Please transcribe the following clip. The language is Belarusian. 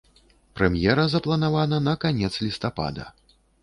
Прэм'ера запланавана на канец лістапада.